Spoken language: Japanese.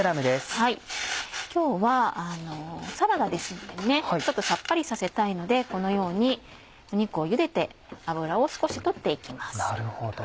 今日はサラダですのでちょっとさっぱりさせたいのでこのように肉をゆでて脂を少し取って行きます。